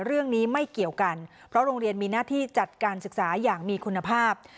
เรื่องนี้ไม่เกี่ยวกันเพราะโรงเรียนมีหน้าที่จัดการศึกษาอย่างมีคุณภาพ